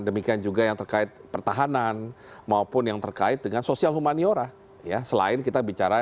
demikian juga yang terkait pertahanan maupun yang terkait dengan sosial humaniora